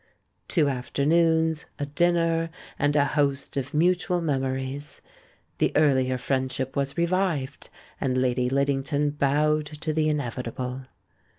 Two afternoons, a dinner, and a host of mutual memories. The earlier friendship was revived. And Lady Liddington bowed to the inevitable.